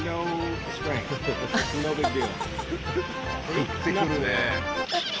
振ってくるね。